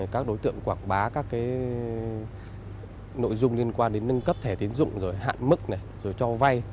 các đối tượng quảng bá các nội dung liên quan đến nâng cấp thẻ tiến dụng hạn mức cho vay